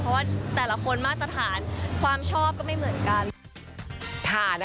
เพราะว่าแต่ละคนมาตรฐานความชอบก็ไม่เหมือนกัน